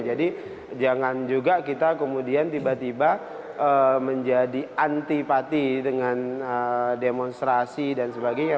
jadi jangan juga kita kemudian tiba tiba menjadi antipati dengan demonstrasi dan sebagainya